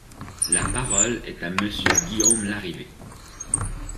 La parole est à Monsieur Guillaume Larrivé.